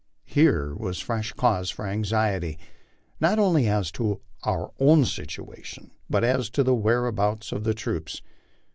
Here was fresh cause for anxiety, not only as to our own situation, but as to the whereabouts of the troops.